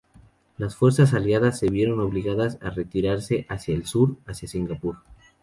Las fuerzas aliadas se vieron obligadas a retirarse hacia el sur, hacia Singapur.